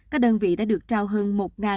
các đơn vị đã được trao hơn một hai trăm linh